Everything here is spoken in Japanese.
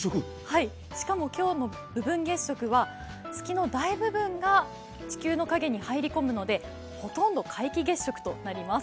しかも今日の部分月食は月の大部分が地球の影に入り込むので、ほとんど皆既月食となります。